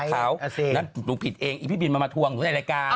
หนูผิดเองอีพี่บินมามาทวงหนูในรายการ